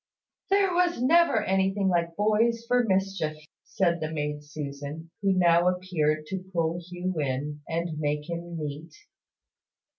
"There never was anything like boys for mischief," said the maid Susan, who now appeared to pull Hugh in, and make him neat.